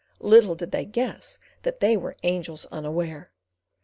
Little did they guess that they were angels unaware.